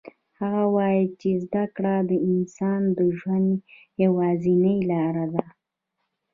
هغه وایي چې زده کړه د انسان د ژوند یوازینی لار ده